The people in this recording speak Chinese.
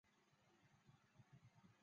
开始曲和结束曲同样采用了爱国歌。